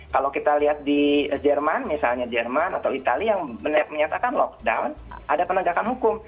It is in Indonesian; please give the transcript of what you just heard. kalau kita lihat di jerman misalnya jerman atau itali yang menyatakan lockdown ada penegakan hukum